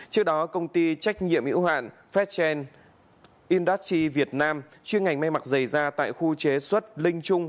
trước đó công ty trách nhiệm hữu hạn phetgen industry việt nam chuyên ngành mê mặc dày da tại khu chế xuất linh trung